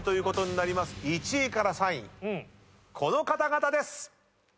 １位から３位この方々です！